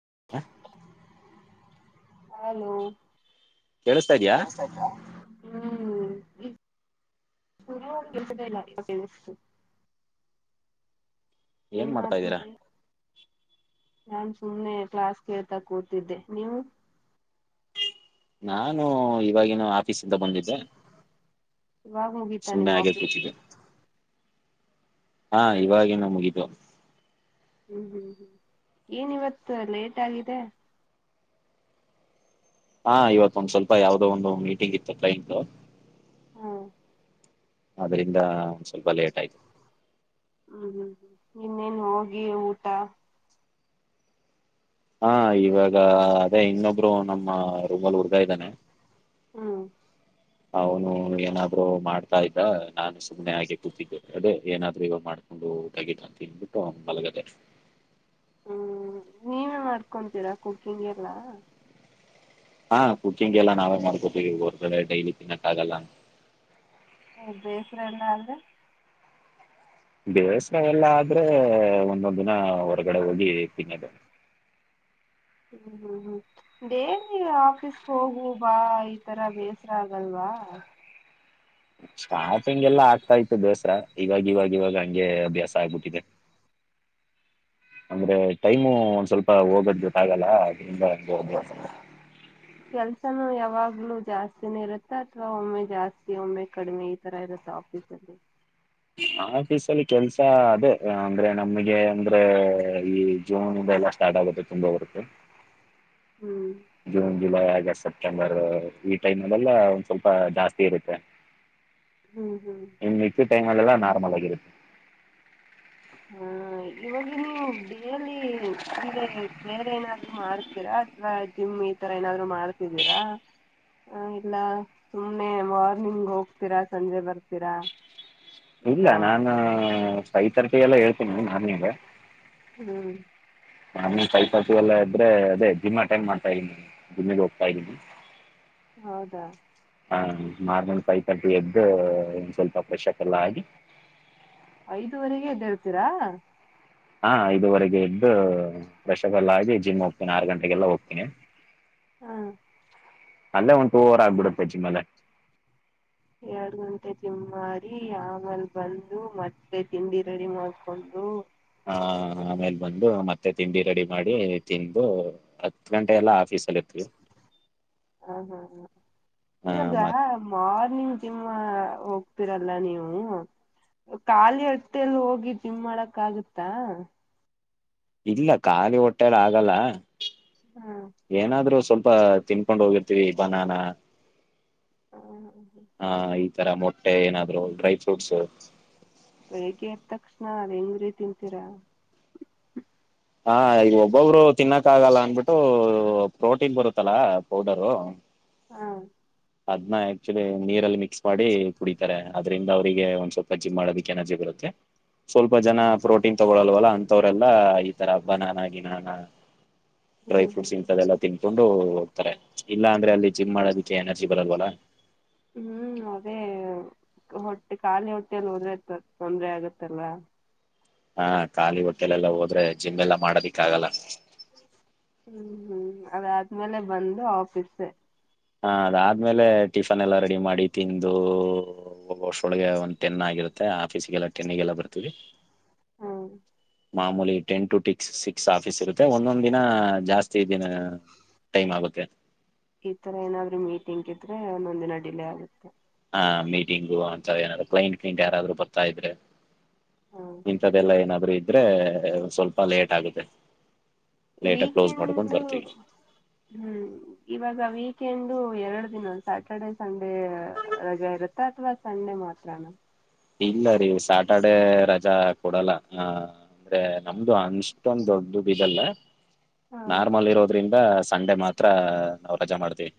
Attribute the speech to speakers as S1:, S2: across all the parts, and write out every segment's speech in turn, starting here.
S1: [unintelligible]
S2: Hello
S1: ಕೇಳಿಸ್ತಾ ಇದ್ಯಾ
S2: [unintelligible] ಹ್ಮ್. [unintelligible] ಏನ್
S1: ಮಾಡ್ತಾ ಇದ್ದೀರಾ
S2: ಮಾಡ್ತಿದ್ರಿ. ನಾನ್ ಸುಮ್ಮ್ನೆ ಕ್ಲಾಸ್ ಕೇಳ್ತಾ ಕೂತಿದ್ದೆ ನೀವು.
S1: ನಾನು ಇವಾಗಿನ್ನು ಆ ಆಫೀಸಿಂದ ಬಂದಿದ್ದೆ
S2: ಇವಾಗ ಮುಗೀತಾ
S1: ಸುಮ್ಮನೆ
S2: ನಿಮ್
S1: ಹಾಗೆ
S2: ಆಫೀಸ್
S1: ಕೂತಿದ್ದೆ. ಹಾ ಇವಾಗಿನ್ನೂ ಮುಗಿತು.
S2: ಹ್ಮ್ ಹ್ಮ್ ಹ್ಮ್ ಏನ್ ಇವತ್ತು ಲೇಟ್ ಆಗಿದೆ.
S1: ಹಾ ಇವತ್ತೊಂದು ಸ್ವಲ್ಪ ಯಾವ್ದೋ ಒಂದು ಮೀಟಿಂಗ್ ಇತ್ ತ್ತು ಕ್ಲೈಂಟು
S2: ಹ್ಮ
S1: ಆದ್ರಿಂದ ಒಂದ್ ಸ್ವಲ್ಪ ಲೇಟ್ ಆಯ್ತು.
S2: ಹ್ಮ್ ಹ್ಮ್ ಇನ್ನೇನ್ ಹೋಗಿ ಊಟ
S1: ಹಾ ಇವಾಗ ಅದೇ ಇನ್ನೊಬ್ರು ನಮ್ಮ ರೂಮಲ್ಲಿ ಹುಡ್ಗ ಇದ್ದಾನೆ.
S2: ಹ್ಮ
S1: ಅವ್ನು ಏನಾದ್ರೂ ಮಾಡ್ತಾ ಇದ್ದ ನಾನು ಸ್ ಸುಮ್ನೆ ಹಾಗೆ ಕೂತಿದ್ದೋ ಅದೇ ಏನಾದ್ರೂ ಇವಾಗ್ ಮಾಡ್ಕೊಂಡು ಊಟಗೀಟ ತಿನ್ಬುಟ್ಟು ಮಲ್ಗದೇ.
S2: ಹ್ಮ್ ನೀವೇ ಮಾಡ್ಕೊಂತೀರಾ ಕುಕ್ಕಿಂಗ್ ಎಲ್ಲಾ?
S1: ಹಾ ಕುಕಿಂಗೆಲ್ಲ ನಾವೇ ಮಾಡ್ಕೊತಿವಿ ಹೊರ್ಗಡೆ ಡೈಲಿ ತಿನ್ನಕ್ ಆಗಲ್ಲ.
S2: ಓ ಬೇಸ್ರ ಎಲ್ಲಾ ಆದ್ರೆ?
S1: ಬೇಸ್ [unintelligible] ಎಲ್ಲಾ ಆದ್ರೆ ಒಂದೊಂದ್ ದಿನಾ ಹೊರ್ಗಡೆ ಹೋಗಿ ತಿನ್ನದು.
S2: ಹ್ಮ್ ಹ್ಮ್ ಹ್ಮ್ [unintelligible] ಡೇಲಿ ಆಫೀಸ್ಗ್ ಹೋಗು ಬಾ ಈತರ ಬೇಸ್ರ ಆಗಲ್ವ?
S1: ಸ್ಟಾರ್ಟಿಂಗ್ ಎಲ್ಲ ಆಗ್ತಾ ಇತ್ತು ಬೇಸ್ರ ಇವಾಗ್ ಇವಾಗ್ ಇವಾಗ್ ಹಂಗೆ ಅಭ್ಯಾಸ ಆಗ್ಬಿಟ್ಟಿದೆ, ಅಂದ್ರೆ ಟೈಮು ಒಂದ್ ಸ್ವಲ್ಪ ಹೋಗೋದ್ ಗೊತ್ತಾಗಲ್ಲ ಅದ್ರಿಂದ ಹಂಗೆ ಅಭ್ಯಾಸ.
S2: ಕೆಲ್ಸನು ಯಾವಾಗ್ಲೂ ಜಾಸ್ತಿನೇ ಇರುತ್ತಾ ಅಥವಾ ಒಮ್ಮೆ ಜಾಸ್ತಿ ಒಮ್ಮೆ ಕಡಿಮೆ ಈ ತರ ಇರುತ್ತಾ ಆಫೀಸಲ್ಲಿ?
S1: ಆಫೀಸಲ್ಲಿ ಕೆಲ್ಸ ಅದೇ ಅಂದ್ರೆ ನಮಗೆ ಅಂದ್ರೇ ಈ ಜೂನ್ ಇಂದ ಎಲ್ಲಾ ಸ್ಟಾರ್ಟ್ ಆಗುತ್ತೆ ತುಂಬಾ ವರ್ಕು.
S2: ಹ್ಮ್
S1: ಜೂನ್ ಜುಲೈ ಆಗ್ ಈಗ ಸೆಪ್ಟೆಂಬರ ಈ ಟೈಮ್ ಅಲ್ಲೆಲ್ಲ ಒಂದ್ ಸ್ವಲ್ಪ ಜಾಸ್ತಿ ಇರುತ್ತೆ.
S2: ಹ್ಮ್ ಹು.
S1: ತಿಂಗ್ಳ್ ಲ್ ಎಲ್ಲ ನಾರ್ಮಲ್ ಆಗಿರುತ್ತೆ.
S2: ಹಾ ಇವಾಗ ನೀವು ಡೇಲಿ ಅಂದ್ರೆ ಬೇರೆ ಏನಾದ್ರು ಮಾಡ್ತೀರಾ ಅಥವಾ ಜಿಮ್ ಈತರ ಏನಾದ್ರು ಮಾಡ್ತಿದ್ದೀರಾ ಇಲ್ಲ ಸುಮ್ನೆ ಮಾರ್ನಿಂಗ್ ಹೋಗ್ತೀರಾ ಸಂಜೆ ಬರ್ತೀರಾ? ಈ
S1: ಇಲ್ಲ
S2: ತರ
S1: ನಾನೂ
S2: ಮಾಡ್ತೀರ
S1: ಫೈ ಥರ್ಟಿಗೆಲ್ಲ ಏಳ್ ಇಲ್ಲಿ ನಾನಿದ್ದೆ.
S2: ಹ.
S1: ನಾನು ಫೈ ಫಾರ್ಟಿಗೆಲ್ಲಾ ಎದ್ರೆ ಅದೇ ಜಿಮ್ ಅಟೆಂಡ್ ಮಾಡ್ತಾ ಇದ್ದೀನಿ, ಜಿಮ್ಮಿಗ್ ಹೋಗ್ತಾ ಇದ್ದೀನಿ.
S2: ಹೌದಾ?
S1: ಹ ಮಾರ್ನಿಂಗ್ ಫೈ ತರ್ಟಿ ಎದ್ದ ಸ್ವಲ್ಪ ಫ್ರೆಶ್ ಅಪ್ ಎಲ್ಲ ಆಗಿ
S2: ಐದೂವರೆಗೆ ಎದ್ದೇಳ್ತಿರಾ?
S1: ಹಾ ಐದೂವರೆಗೆ ಎದ್ದೂ ಫ್ರೆಶ್ [unintelligible] ಆಗಿ ಜಿಮ್ ಹೋಗ್ತೀನಿ ಆರ್ ಗಂಟೆಗೆಲ್ಲ ಹೋಗ್ [unintelligible]
S2: ಆ.
S1: ಅಲ್ಲೇ ಒಂದ್ ಟು ಅವರ್ ಆಗ್ಬುಡುತ್ತೆ ಜಿಮ್ ಅಲ್ಲೇ
S2: ಎರ್ಡ್ ಗಂಟೆ ಜಿಮ್ ಮಾಡಿ ಆಮೇಲ್ ಬಂದು ಮತ್ತೆ ತಿಂಡಿ ರೆಡಿ ಮಾಡ್ಕೊಂಡು
S1: ಹಾ ಆಮೇಲ್ ಬಂದು ಮತ್ತೆ ತಿಂಡಿ ರೆಡಿ ಮಾಡಿ ತಿಂದು ಹತ್ ಹತ್ ಗಂಟೆ ಎಲ್ಲಾ ಆಫೀಸಲ್ ಇರ್ತಿವಿ.
S2: ಹ ಹಾ ಇವಾಗ ಮಾರ್ನಿಂಗ್ ಜಿಮ್ [unintelligible] ಹೋಗ್ತಿರಲ್ಲ ನೀವು, ಖಾಲಿ ಹೊಟ್ಟೆಲ್ ಹೋಗಿ ಜಿಮ್ ಮಾಡಕ್ ಆಗುತ್ತಾ?
S1: ಇಲ್ಲ ಖಾಲಿ ಹೊಟ್ಟೆಲ್ ಆಗಲ್ಲ
S2: ಹಾ
S1: ಏನಾದ್ರೂ ಸ್ವಲ್ಪ ತಿನ್ಕೊಂಡ್ ಹೋಗಿರ್ ಟೀ ಬನಾನ.
S2: ಹ್ಮ ಹ್ಮ್.
S1: ಈ ತರ ಮೊಟ್ಟೆ ಏನಾದ್ರು ಡ್ರೈ ಫ್ರೂಟ್ಸು.
S2: ಬೆಳಿಗ್ಗೆ ಎದ್ ತಕ್ಷಣ ಅದ್ ಹೆಂಗ್ರೀ ತಿಂತೀರಾ.
S1: ಹಾ ಈಗ್ ಒಬ್ಬೊಬ್ರು ತಿನ್ನಕ್ ಆಗಲ್ಲ ಅಂದ್ಬಿಟ್ಟು ಪ್ರೋಟೀನ್ ಬರುತ್ತಲ್ಲ ಪೌಡರು.
S2: ಹ
S1: ಅದನ್ನ ಆಕ್ಚುಲಿ ನೀರಲ್ ಮಿಕ್ಸ್ ಮಾಡಿ ಕುಡಿತರೆ. ಆದ್ರಿಂದ ಅವ್ರಿಗೆ ಒಂದ್ ಸ್ವಲ್ಪ ಜಿಮ್ ಮಾಡೋದಿಕ್ ಎನರ್ಜಿ ಬರುತ್ತೆ. ಸ್ವಲ್ಪ ಜನ ಪ್ರೋಟೀನ್ ತಗೊಳಲ್ವಲ್ಲ. ಅಂತವ್ರೆಲ್ಲ ಈ ತರ ಬನಾನ ಗಿನಾನಾ. ಡ್ರೈ
S2: ಹ್ಮ್
S1: ಫ್ರೂಟ್ಸ್
S2: ಹ್ಮ್
S1: ಇಂತದ್ ಎಲ್ಲಾ ತಿನ್ಕೊಂಡು. ತರೆ ಇಲ್ಲ ಅಂದ್ರೆ ಅಲ್ಲಿ ಜಿಮ್ ಮಾಡೋದಿಕ್ಕೆ ಎನರ್ ಜಿ ಬರಲ್ವಲ್ಲ.
S2: ಹ್ಮ್ ಅದೇ ಹೊಟ್ಟೆ ಖಾಲಿ ಹೊಟ್ಟೆಯಲ್ ಹೋದ್ರೆ ಸರ್ ತೊಂದ್ರೆ ಆಗುತ್ತಲ್ಲ.
S1: ಹಾ ಖಾಲಿ ಹೊಟ್ಟೆಲೆಲ್ಲಾ ಹೋದ್ರೆ ಜಿಮ್ ಎಲ್ಲಾ ಮಾಡದಿಕ್ ಆಗಲ್ಲ.
S2: ಹ್ಮ್ ಹ್ಮ್ ಅದಾದ್ಮೇಲೆ ಬಂದು ಆಫೀಸೆ.
S1: ಹಾ ಅದ್ ಆದ್ಮೇಲೆ ಟಿಫನ್ ಎಲ್ಲ ರೆಡಿ ಮಾಡಿ ತಿಂದ್ ಒಂದು ವರ್ಷೊಳಗೆ ಒಂದ್ ಟೆನ್ ಆಗಿರುತ್ತೆ ಆಫೀಸ್ಗೆಲ್ಲ ಟೆನಿಗೆಲ್ಲ ಬರ್ತೀವಿ.
S2: ಹ್ಮ
S1: ಮಾಮೂಲಿ ten to six six office ಇರುತ್ತೆ ಒಂದೊಂದ್ ದಿನ ಜಾಸ್ತಿ ದಿನ ಟೈಮ್ ಆಗುತ್ತೆ.
S2: ಈ ತರ ಏನಾದ್ರು ಮೀಟಿಂಗ್ ಇದ್ರೆ ಒಂದೊಂದ್ ದಿನ ಡಿಲೇ ಆಗುತ್ತೆ.
S1: ಹ ಮೀಟಿಂಗು ಅಂತ ಏನಾದ್ರು ಕ್ಲೈಂಟ್ ಗ್ಲಿನ್ಟ್ ಯಾರಾದ್ರು ಬರ್ತಾ ಇದ್ರೆ.
S2: ಹ್ಮ
S1: ಇಂತದ್ದೆಲ್ಲಾ ಏನಾದ್ರೂ ಇದ್ ಇದ್ರೆ ಸ್ವಲ್ಪ ಲೇಟ್ ಆಗುತ್ತೆ ಲೇಟ್ ಆಗಿ ಕ್ಲೋಸ್ ಮಾಡ್ಕೊಂಡು
S2: ವೀಕೆಂಡು
S1: ಬರ್ತೀವಿ
S2: ಹ್ಮ್ ಇವಾಗ ವೀಕೆಂಡು ಎರ್ಡ್ ಸ್ಯಾಟರ್ಡೆೇ ಸಂಡೇ ರಜೆ ಇರುತ್ತಾ ಅಥವಾ ಸಂಡೇ ಮಾತ್ರಾನ
S1: ಇಲ್ಲ ರೀ ಸ್ಯಾಟರ್ಡೆೇ ರಜಾ ಕೊಡಲ್ಲ ಅ ಅಂದ್ರೆ ನಮ್ದು ಅಷ್ಟೊಂದ್ ದೊಡ್ದುದ್ ಇದಲ್ಲ
S2: ಹಾ
S1: ನಾರ್ಮಲ್ ಇರೋದ್ರಿ ಹಾ ಸಂಡೆ ಮಾತ್ರ ರಜಾ ಮಾಡ್ತೀವಿ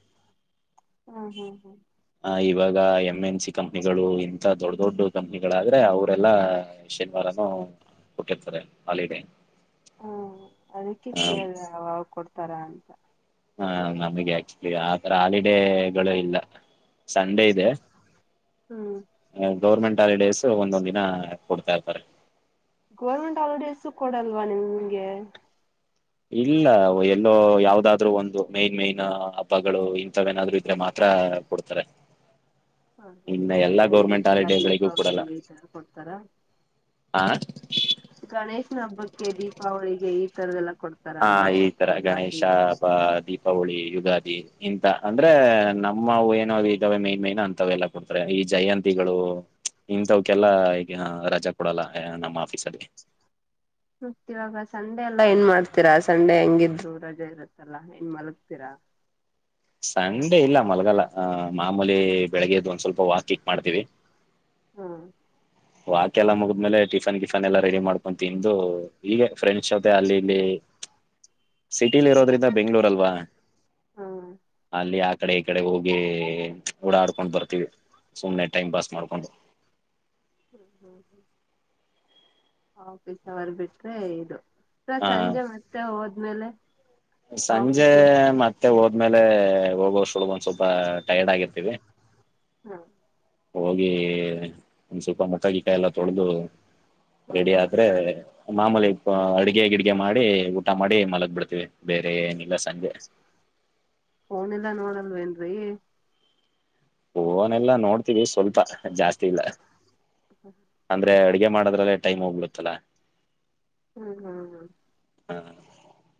S2: ಹ್ಮ್ ಹ್ಮ್ ಹ್ಮ್
S1: ಆ ಇವಾಗ ಎಮ್ ಎನ್ ಸಿ ಕಂಪನಿಗಳು ಇಂತ ದೊಡ್ ದೊಡ್ ಕಂಪ್ನಿಗಳಾದ್ರೆ ಅವ್ರೆೆಲ್ಲಾ ಶನಿವಾರನೂ ಕೊಟ್ಟಿರ್ತಾರೆ ಹಾಲಿಡೇ
S2: ಹ್ಮ್ ಅದಿಕ್ಕೆ ಕೇಳ್ದೆ ತರಾ ಅಂತ
S1: ಹಾ ನಮಿಗೆ ಆಕ್ಚುಲಿ ತರ ಹಾಲಿಡೇಗಳೆ ಇಲ್ಲ ಸಂಡೇ ಇದೆ
S2: ಹ್ಮ್
S1: ಗೌರ್ಮೆಂಟ್ ಹಾಲಿಡೇಸ್ ಒಂದೊಂದ್ ದಿನ ಕೊಡ್ತಾ ತರೆ
S2: ಗೌರ್ಮೆಂಟ್ ಹಾಲಿಡೇಸು ಕೊಡಲ್ವಾ ನಿಮ್ಗೆ
S1: ಇಲ್ಲ ಎಲ್ಲೋ ಯಾವ್ದಾದ್ರು ಒಂದು ಮೇನ್ ಮೇಯ್ನ್ ಹಬ್ಬಗಳು ಇಂತವೇನಾದ್ರು ಇದ್ರೆ ಮಾತ್ರ ಕೊಡ್ತಾರೆ
S2: ಹ
S1: ಇನ್ನು
S2: ಇವಗ್
S1: ಎಲ್ಲಾ ಗೌರ್ಮೆಂಟ್
S2: ಗಣೇಶ
S1: ಹಾಲಿಡೇಗಳಿಗೂ ಕೊಡಲ್ಲ
S2: ದೀಪಾವಳಿಗೆ ಈ ತರ ಕೊಡ್ತಾರ,
S1: ಆ
S2: ಗಣೇಶನ್ ಹಬ್ಬಕ್ಕೆ ದೀಪಾವಳಿಗೆ ಲ್ಲ
S1: ಹಾ ಈ ತರ ಗಣೇಶ ಬ ದೀಪಾವಳಿ ಯುಗಾದಿ ಇಂತ ಅಂದ್ರೆ ನಮ್ಮ ಅವು ಏನೋ ಅ ಇದಾವೆ ಮೈನ್ ಮೈನ್ ಅಂತವೆ ಎಲ್ಲಾ ಕೊಡ್ತಾರೆ ಈ ಜಯಂತಿಗಳು ಇಂತವ್ಕೆಲ್ಲ ಈಗ ಹ ಕೊಡಲ್ಲ ಯ ನಮ್ ಆಫೀಸಲ್ಲಿ
S2: ಮತ್ತಿವಾಗ ಸಂಡೆ ಎಲ್ಲಾ ಏನ್ ಮಾಡ್ತೀರಾ ಸಂಡೆ ಹೆಂಗಿದ್ರು ರಜೆ ಇರುತ್ತಲ್ಲಾ ಏನ್ ಮಲಗ್ತೀರಾ?
S1: ಸಂಡೆ ಇಲ್ಲ ಮಲಗಲ್ಲ ನಾನ್ ಮಾಮೂಲಿ ಬೆಳಿಗ್ಗೆ ಎದ್ದು ಸ್ವಲ್ಪ ವಾಕಿಂಗ್ ಮಾಡ್ತೀವಿ
S2: ಹಾ
S1: ವಾಕೆಲ್ಲಾ ಮುಗುದ್ಮೇಲೆ ಟಿಫನ್ ಕಿಫನ್ ಎಲ್ಲಾ ರೆಡಿ ಮಾಡ್ಕೊಂಡು ತಿಂದು ಈಗೆ ಫ್ರೆಂಡ್ಸ್ ಜೊತೆ ಅಲ್ಲಿ ಇಲ್ಲಿ ಸಿಟಿಲಿ
S2: ಹ್ಮ್
S1: ಇರೋದ್ರಿಂದ ಬೆಂಗಳೂರು ಅಲ್ವಾ
S2: ಹ್ಮ್
S1: ಅಲ್ಲಿ ಆ ಕಡೆ ಈ ಕಡೆ ಹೋಗಿ ಓಡಾಡ್ಕೊಂಡು ಬರ್ತೀವಿ ಸುಮ್ನೆ ಟೈಮ್ ಪಾಸ್ ಮಾಡ್ಕೊಂಡು
S2: ಹ್ಮ್ ಹ್ಮ್ ಹ್ಮ್ ಆಫೀಸ್ ಅವರ್ ಬಿಟ್ರೆ ಇದು. ಅತ್ವ
S1: ಹ
S2: ಸಂಜೆ ಮತ್ತೆ ಹೋದ್ ಮೇಲೆ.
S1: ಸಂಜೆ ಮತ್ತೆ ಹೋದ್ಮೇಲ್ ಲೆ ಹೋಗೋಷ್ಟ್ ಳೊಗ್ ಒಂದ್ ಸ್ವಲ್ಪ. ಟೈರ್ಡ್ ಆಗಿರ್ತೀವಿ.
S2: ಹ
S1: ಹೋಗಿ ಒಂದ್ ಸ್ವಲ್ಪ ಮುಖ ಗಿಕ್ಕಾ ಎಲ್ಲ ತೊಳ್ದು. ರೆಡಿ
S2: ಹ್ಮ್
S1: ಆದ್ರೆ. ಮಾಮೂಲಿ ಅಡ್ಗೆ ಗಿಡ್ಗೆ ಮಾಡಿ ಊಟ ಮಾಡಿ ಮಲಗ್ ಬಿಡ್ತೀವಿ ಬೇರೆ ಏನಿಲ್ಲ ಸಂಜೆ.
S2: ಫೋನ್ ಎಲ್ಲಾ ನೋಡಲ್ವೆನ್ರೀ.
S1: ಫೋನ್ ಎಲ್ಲಾ ನೋಡ್ ತಿವಿ ಸ್ವಲ್ಪ ಜಾಸ್ತಿ ಇಲ್ಲ ಅಂದ್ರೆ ಅಡ್ಗೆ ಮಾಡೊದ್ರಲ್ಲಿ. ಟೈಮ್ ಹೋಗ್ ಬಿಡುತ್ತಲ್ಲ.
S2: ಹ ಹ ಹಾ.
S1: ಹಾ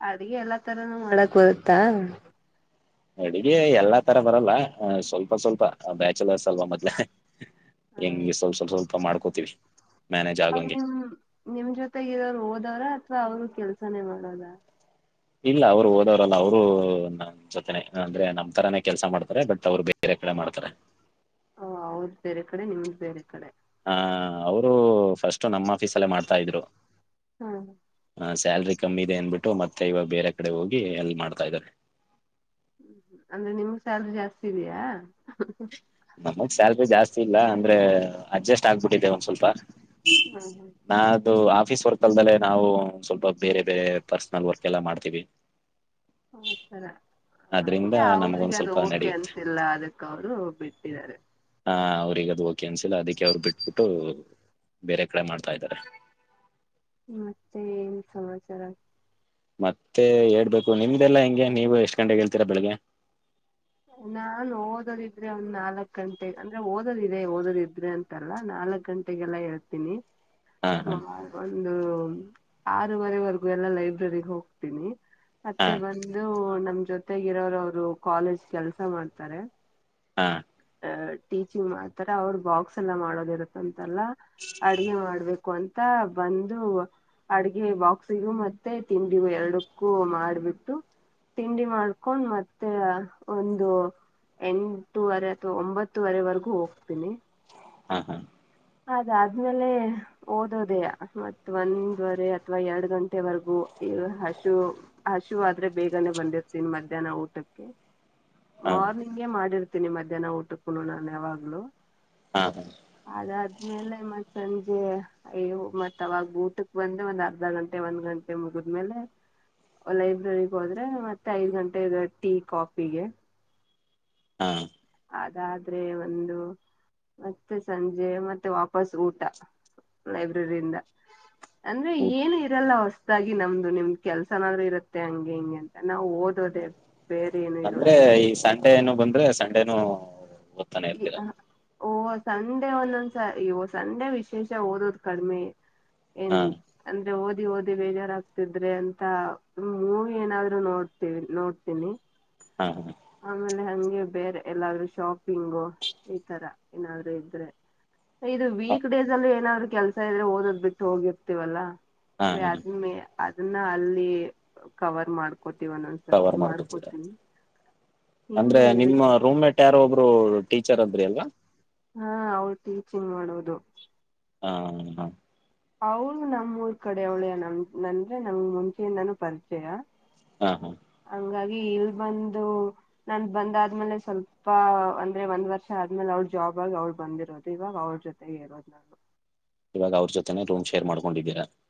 S2: ಅಡ್ಗೆ ಎಲ್ಲಾ ತರಾನೂ ಮಾಡಕ್ ಬರುತ್ತಾ.
S1: ಅಡ್ಗೆ ಎಲ್ಲಾ ತರ ಬರಲ್ಲ ಹ ಸ್ವಲ್ಪ ಸ್ವಲ್ಪ ಬ್ಯಾಚುಲರ್ಸ್ ಅಲ್ವಾ ಮೊದ್ಲೇ.
S2: ಹ್ಮ
S1: ಮಾಡ್ಕೋತೀವಿ ಮ್ಯಾನೇಜ್
S2: ಅವ್
S1: ಆಗಂಗೆ
S2: ನಿಮ್ ನಿಮ್ ಜೊತೆ ಇರೋರ್ ಓದವ್ರ ವ ಅವ್ರು ಕೆಲ್ಸಾನೇ ಮಾಡೋದ.
S1: ಇಲ್ಲ ಅವ್ರು ಓದವ್ರಲ್ಲ ಅವ್ರು ನಮ್ ಜೊತೆನೆ ಅಂದ್ರೆ ನಮ್ ತರಾನೇ ಕೆಲ್ಸ ಮಾಡ್ತಾರೆ ಬಟ್ ಅವ್ರು ಬೇರೆ ಕಡೆ ಮಾಡ್ತಾರೆ.
S2: ಹೊ ಅವ್ದ ಬೇರೆ ಕಡೆ ನಿಮ್ದ ಬೇರೆ ಕಡೆ.
S1: ಹ ಅವ್ರು. ಫಸ್ಟಟು ನಮ್ ಆಫೀಸಲ್ಲೇ ಮಾಡ್ತ ಇದ್ರು.
S2: ಹ್ಮ
S1: ಹ ಸ್ಯಾಲ್ರಿ ಕಮ್ಮಿ ಇದೆ ಅನ್ಬಿಟ್ಟು ಮತ್ ದೈವ ಬೇರೆ ಕಡೆ ಹೋಗಿ ಎಲ್ ಮಾಡ್ತಾ ಇದ್ದಾನೆ.
S2: ಅಂದ್ರೆ ನಿಮ್ ಸ್ಯಲ್ರಿ ಜಾಸ್ತಿ ಇದ್ಯಾ.
S1: ನಮ್ಗ್ ಸ್ಯಾಲ್ರಿ ಜಾಸ್ತಿ ಇಲ್ಲ ಅಂದ್ರೆ ಅಡ್ಜಸ್ಟ್ ಆಗ್ಬಿಟ್ಟಿದೆ ಒಂದ್ ಸ್ವಲ್,
S2: ಹ್ಮ್
S1: ನಾ ಇದು ಆಫೀಸ್ ವರ್ಕ್ ಅಲ್ದಲ್ಲೇ ನಾವು ಸ್ವಲ್ಪ ಬೇರೆ ಬೇರೆ ಪರ್ಸನಲ್ ವರ್ಕ್ ಎಲ್ಲ ಮಾಡ್ತೀವಿ.
S2: ಆತರ.
S1: ಅದ್ರಿಂದ
S2: ಹಂಗೆ ಅವ್ರಿಗ್
S1: ನಮಗೊಂದ್
S2: ಅದು
S1: ಸ್ವಲ್ಪ
S2: ಓಕೆ
S1: ನಡೆಯುತ್ತೆ
S2: ಅಂತಿಲ್ಲ ಅದಕ್ ಅವ್ರು ಬಿಟ್ಟಿದ್ದಾರೆ.
S1: ಆ ಅವ್ರಿಗೆ ಅದು ಕೆನ್ಸಿಲ್ ಅದಕ್ಕೆ ಅವ್ರು ಬಿಟ್ಬಿಟ್ಟು. ಬೇರೆ ಕಡೆ ಮಾಡ್ತಾ ಇದ್ದಾರೆ.
S2: ಮತ್ತೆ ಏನ್ ಸಮಾಚಾರ.
S1: ಮತ್ತೆ ಹೇಳ್ಬೇಕು ನಿಮ್ದಲ್ಲಾ ಹೆಂಗೆ ನೀವು ಎಷ್ಟ್ ಗಂಟೆಗೆ ಎಳ್ತೀರಾ ಬೆಳಿಗ್ಗೆ.
S2: ನಾನ್ ಓದೋದಿದ್ರೆ ಒಂದ್ ನಾಲ್ಕ್ ಗಂಟೆ ಅಂದ್ರೆ ಓದೋದಿದೆ ಓದೊದ ಇದ್ರೆ ಅಂತಲ್ಲಾ ನಾಲ್ಕ್ ಗಂಟೆಗೆಲ್ಲ ಎಳ್ತೀನಿ.
S1: ಹಾ ಹಾ
S2: ಸ್ವಯ್ ಒನ್ ದು ಆರುವರೆವರ್ಗು ಎಲ್ಲಾ ಲೈಬ್ರಿಗ್ ಹೋಗ್ತೀನಿ. ಮತ್ತೆ ಬಂದು ನಮ್ ಜೊತೆಗಿರೋರ್ ಅವ್ರು ಕಾಲೇಜ್ ಕೆಲ್ಸ ಮಾಡ್ತಾರೆ.
S1: ಹಾ
S2: ಟೀಚಿಂಗ್ ಮಾಡ್ತಾರ ಅವ್ರು ಬಾಕ್ಸ್ ಎಲ್ಲ ಮಾಡೋದಿರುತ್ ಅಂ ದಲ್ಲಾ ಅಡ್ಗೆ ಮಾಡ್ಬೇಕ್ ಕು ಅಂತಾ ಬಂದು ಅಡ್ಗೆ ಬಾಕ್ಸಿಗು ಮತ್ತೆ ತಿಂಡಿಗು ಎರ್ಡಕ್ಕೂ ಮಾಡ್ಬಿಟ್ಟು ತಿಂಡಿ ಮಾಡ್ಕೊಂಡ್ ಮತ್ತೆ ಒಂದು ಎಂಟುವರೆ. ತು ಒಂಬತ್ತುವರೆವರ್ಗೂ ಹೋಗ್ತೀನಿ.
S1: ಹಾ ಹಾ.
S2: ಅದಾದ್ಮೇಲೆ ಓದೋದಯ ಮತ್ತ ಒಂದ್ವರೆ ಅಥ್ವಾ ಎರಡ್ ಗಂಟೆವರ್ಗೂ ಹಶುವ್ ಹಶುವ್ ಆದ್ರೆ ಬೇಗನೆ ಬಂದಿರ್ತೀನಿ ಮಧ್ಯಾಹ್ನ ಊಟಕ್ಕೆ.
S1: ಹಾ
S2: ಮಾರ್ನಿಂಗೇ ಮಾಡಿರ್ ತಿನಿ ಮಧ್ಯಾಹ್ನ ಊಟುಕುನು ನಾನ್ ಯಾವಾಗ್ಲು.
S1: ಹಾ
S2: ಮತ್ತ್ ಸಂಜೆ ಅಯ್ಯ ಮತ್ ಅವಾಗ್ ಊಟಕ್ ಬಂದ ಒಂದ್ ಅರ್ಧ ಗಂಟೆ ಒಂದ್ ಗಂಟೆ ಮುಗಿದ್ಮೇಲೆ ಲೈಬ್ರಗ್ ಹೋದ್ರೆ ಮತ್ತೆ ಐದ್ ಗಂಟೆ ಟೀ ಕಾಫಿಗೆ.
S1: ಹಾ
S2: ಅದಾದ್ರೆ ಒಂದು ಮತ್ತೆ ಸಂಜೆ ಮತ್ ವಾಪಸ್ ಊಟ ಲೈಬ್ರರಿ ಇಂದ. ಅಂದ್ರೆ ಏನು ಇರಲ್ಲ ವಸ್ ಸಾಗಿ ನಮ್ದು ನಿಮ್ದ್ ಕೆಲ್ಸನಾದ್ರೂ ಇರುತ್ತೆ ಹಂಗೆ ಹಿಂಗೆ ಅಂತ ನಾವು ಓದೋದೆ.
S1: ಅಂದ್ರೆ ಈ ಸಂಡೆ ಏನು ಬಂದ್ರೆ ಸಂಡೇನು. ಓದ್ತಾನೇ ಇರ್ತೀರಾ.
S2: ಓಹ ಸಂಡೆ ಒಂದೊಂದ್ಸ ಓ ಸಂಡೆ ವಿಶೇಷ ಓದೋದ್ ಕಡ್ಮೆ.
S1: ಹಾ
S2: ಇನ್ ಅನ್ ದ ಓದಿ ಓದಿ ಬೇಜಾರಾಗ್ತಿದ್ರೆ ಅಂತ ಮೂವಿ ಏನಾದ್ರು ನೋಡ್ತಿವ್ ನೋಡ್ತೀನಿ.
S1: ಹಾ ಹ.
S2: ಆಮೇಲೆ ಹಂಗೆ ಬೇರೆ ಎಲ್ಲಾದ್ರೂ ಶಾಪಿಂಗು ಈ ತರ ಏನಾದ್ರು ಇದ್ರೆ. ಇದು ವೀಕ್ ಡೇಸ್ ಅಲ್ಲಿ ಏನ್ರ್ ಕೆಲ್ಸಾ ಎಲ್ಲ ಓದದ್ ಬಿಟ್ ಹೋಗಿರ್ತೀವಲ್ಲಾ.
S1: ಹಾ ಹಾ
S2: ವ್ಯಾಸನ್ ಮ್ಯ. ಅದುನ್ನ ಅಲ್ಲಿ ಕವರ್ ಮಾಡ್ ಕೋತಿ ವನ್ನನ್
S1: ಕವರ್
S2: ಸತಿ
S1: ಮಾಡ್ಕೊತೀರ
S2: ಮಾಡ್ಕೋತಿನಿ.
S1: ಅಂದ್ರೆ ನಿಮ್ಮ ರೂಮ್ ಮೇಟ್ ಯಾರೊ ಒಬ್ರು. ಟೀಚರ್ ಅಂದ್ರಿ ಅಲ್ವಾ.
S2: ಹಾ ಅವ್ರ್ ಟೀಚಿಂಗ್ ಮಾಡೊದು.
S1: ಹಾ ಹ.
S2: ಅವ್ಳು ನಮ್ಮೂರ್ ಕಡೆ ಅವ್ಳ್ ಏನ್ ನಮ್ ಅಂದ್ರೆ ನಮ್ ಮುಂಚೆಯಿಂದಾನೂ ಪರಿಚ್ಯ.
S1: ಹಾ
S2: ಹಂಗಾಗಿ ಇಲ್ ಬಂದು ನನ್ ಬಂದಾದ್ಮೇಲೆ ಸ್ವಲ್ಪ ಅಂದ್ರೆ ಒಂದ್ ವರ್ಷ ಆದ್ಮೇಲೆ ಅವ್ಳ ಜಾಬ್ ಆಗಿ ಅವ್ಳ್ ಬಂದಿರೋದು ಇವಾಗ್ ಅವ್ರ ಜೊತೆಗಗ್ ಇರೋದ್ ನಾನು
S1: ಇವಾಗ್ ಅವ್ರ್ ಜೊತೆನೆ ರೂಮ್ ಶೇರ್ ಕೊಂ ಡಿದ್ದೀರಾ [unintelligible]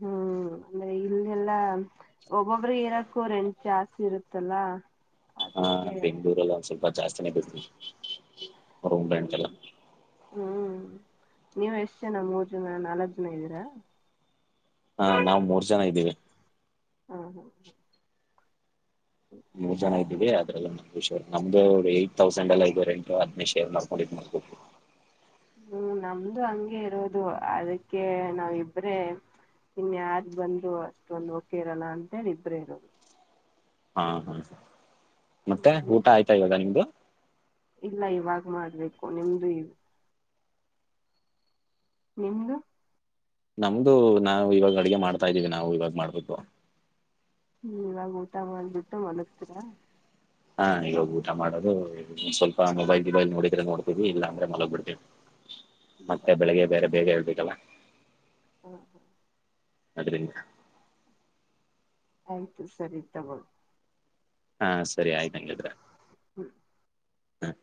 S2: ಹ್ಮ್ ಅಂದ್ರೆ ಇಲ್ಲೆಲ್ಲಾ ಒಬೋಬ್ರೆ ಇರಕ್ಕೂ ರೆಂಟ್ ಜಾಸ್ತಿ ಇರುತ್ತಲ್ಲ
S1: ಹಾ
S2: ಅದಕ್ಕೆ
S1: ಬೆಂಗ್ಳೂರಲ್ ಒಂದ್ ಸ್ವಲ್ಪ ಜಾಸ್ತಿನೇ ಬಿಡ್ರಿ ಹ್ಮ ರೂಮ್ ರೆಂಟ್ ಎಲ್ಲ
S2: ಹ್ಮ್ ನೀವ್ ಎಷ್ಟ್ ಜನ ಮೂರ್ ಜನ ನಾಲ್ಕ್ ಜನ ಇದ್ದೀರಾ
S1: ಹಾ ನಾವ್ ಮೂರ್ ಜ ಜನ ಇದಿವಿ
S2: ಹ
S1: ಮೂರ್ ಜನ ಇದ್ದೀವಿ ಅದ್ರಲ್ [unintelligible] ನಮ್ದು ಅವ್ರೆ ತೌಸಂಡ್ ಎಲ್ಲ ಇದು ರೆಂಟು [unintelligible] ಎನ್ ಮಾಡ್ಕೊಂಡು [unintelligible]
S2: ಹ್ಮ್ ನಮ್ದು ಹಂಗೆ ಇರೋದು ಅದಕ್ಕೆ ನಾವಿಬ್ರೇ ಇನ್ಯಾರ್ ಬಂದು ಅಷ್ಟೊಂದು ಓಕೆ ಇರಲ್ಲ ಅಂತೇಳಿ ಇಬ್ರೇ ಇರೋದು
S1: ಹಾ ಹ್ಮ್ ಮತ್ತೆ ಊಟ ಆಯ್ತಾ ಇವಾಗ ನಿಮ್ದು
S2: ಇಲ್ಲ ಇವಾಗ್ ಮಾಡ್ಬೇಕು ನಿಮ್ದು ಇ ನಿಮ್ದು
S1: ನಮ್ದು ನಾವು ಇವಾಗ ಅಡಿಗೆ ಮಾಡ್ತಾ ಇದ್ದೀವಿ ನಾವು ಇವಾಗಗ್ ಮಾಡ್ಬೇಕು
S2: ಹ್ಮ ಇವಾಗ್ ಊಟ ಮಾಡ್ಬಿಟ್ಟು ಮಲಗ್ತೀರ?
S1: ಹಾ ಇವಾಗ್ ಊಟ ಮಾಡೋದು ಸ್ವಲ್ಪ ಮೊಬೈಲ್ ಗಿಬೈಲ್ ನೋಡಿದ್ರೆ ನೋಡ್ ತಿವಿ ಇಲ್ಲ ಅಂದ್ರೆ ಮಲಗ್ ಬಿಡ್ತಿವಿ
S2: ಹ್ಮ್
S1: ಮತ್ತೆ ಬೆಳಿಗ್ಗೆ ಬೇರೆ ಬೇಗ ಹೇಳ್ಬೇಕಲ್ಲ
S2: ಹ್ಮ ಹ್ಮ
S1: ಅದ್ರಿಂದ
S2: ಆಯ್ತು ಸರಿ ತಗೋ
S1: ಹಾ ಸರಿ ಆಯ್ತುಂಗಿದ್ರೆ
S2: ಹ್ಮ್.
S1: ಹ್ಮ್